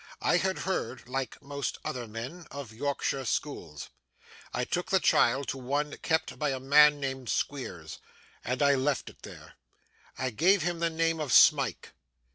I had heard, like most other men, of Yorkshire schools. I took the child to one kept by a man named Squeers, and left it there. I gave him the name of Smike.